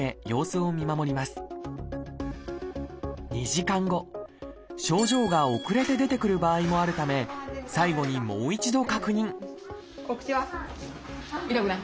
２時間後症状が遅れて出てくる場合もあるため最後にもう一度確認お口は？